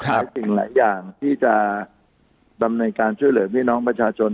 สิ่งหลายอย่างที่จะดำเนินการช่วยเหลือพี่น้องประชาชน